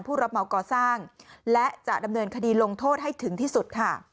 รับเหมาก่อสร้างและจะดำเนินคดีลงโทษให้ถึงที่สุดค่ะ